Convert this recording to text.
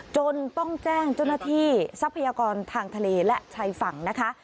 จนต้องแจ้งเจ้าหน้าที่ทรัพยากรทางทะเลและชายฝั่งนะคะ